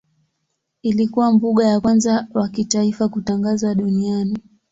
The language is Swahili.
Ilikuwa mbuga ya kwanza wa kitaifa kutangazwa duniani.